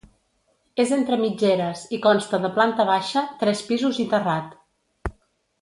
És entre mitgeres i consta de planta baixa, tres pisos i terrat.